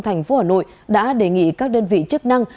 thành phố hà nội đã đề nghị các đơn vị chức năng